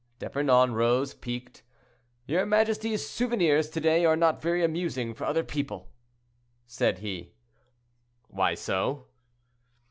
D'Epernon rose, piqued. "Your majesty's souvenirs, to day, are not very amusing for other people," said he. "Why so?"